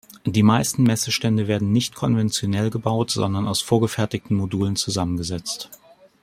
Die meisten Messestände werden nicht konventionell gebaut, sondern aus vorgefertigten Modulen zusammengesetzt.